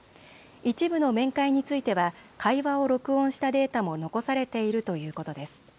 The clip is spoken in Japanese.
一部の面会については会話を録音したデータも残されているということです。